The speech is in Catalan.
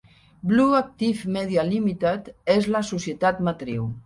Blue Active Media Limited és la societat matriu.